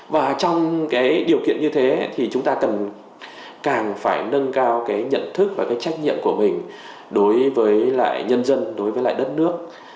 và trong cái điều kiện như thế thì chúng ta càng phải nâng cao cái nhận thức và cái trách nhiệm của mình đối với lại nhân dân đối với lại đất nước